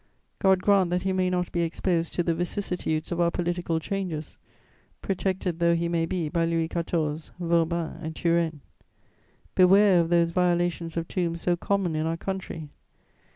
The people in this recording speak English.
God grant that he may not be exposed to the vicissitudes of our political changes, protected though he may be by Louis XIV., Vauban and Turenne! Beware of those violations of tombs so common in our country!